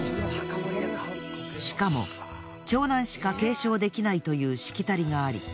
しかも長男しか継承できないというしきたりがあり